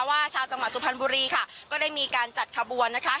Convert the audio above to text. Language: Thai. ชาวจังหวัดสุพรรณบุรีค่ะก็ได้มีการจัดขบวนนะคะ